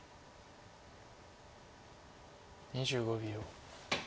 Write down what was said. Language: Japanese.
２５秒。